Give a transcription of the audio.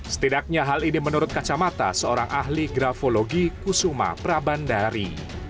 setidaknya hal ini menurut kacamata seorang ahli grafologi kusuma prabandari